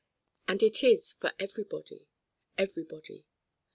And it is for Everybody, Everybody.